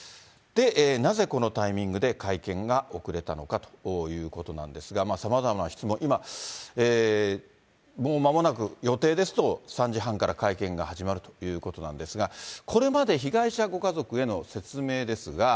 なぜこのタイミングで会見が遅れたのかということなんですが、さまざまな質問、今、もうまもなく、予定ですと、３時半から会見が始まるということなんですが、これまで被害者ご家族への説明ですが。